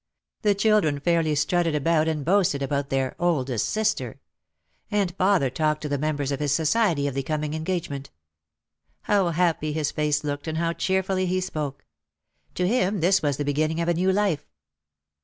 The children fairly strutted about and boasted about their "oldest sister." And father talked to the members of his society of the coming engagement. How happy his face looked and how cheerfully he spoke ! To him this was the beginning of a new life.